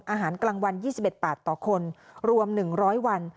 อาหารกลางวัน๒๑บาทต่อคนรวม๑๐๐วัน